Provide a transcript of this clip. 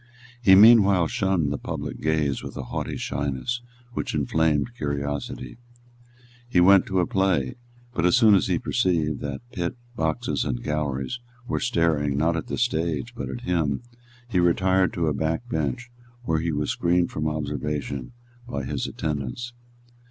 He meanwhile shunned the public gaze with a haughty shyness which inflamed curiosity. He went to a play; but, as soon as he perceived that pit, boxes and galleries were staring, not at the stage, but at him, he retired to a back bench where he was screened from observation by his attendants.